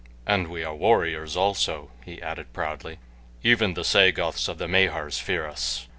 And we are warriors also," he added proudly. "Even the Sagoths of the Mahars fear us.